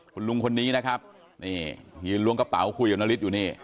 คุณลุงคนนี้นะครับนี่ยืนล้วงกระเป๋าคุยกับนฤทธิอยู่นี่